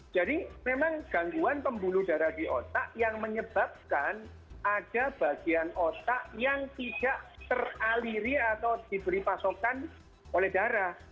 jadi memang gangguan pembuluh darah di otak yang menyebabkan ada bagian otak yang tidak teraliri atau diberi pasokan oleh darah